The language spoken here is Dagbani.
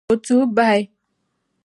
O tuhi bahi.